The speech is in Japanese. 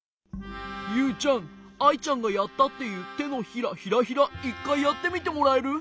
ユウちゃんアイちゃんがやったっていうてのひらヒラヒラ１かいやってみてもらえる？